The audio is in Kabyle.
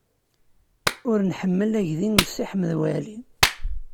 Ur nḥemmel aydi n Si Ḥmed Waɛli.